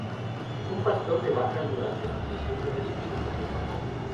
Un pastor de vacas durante su juventud, no recibió educación formal.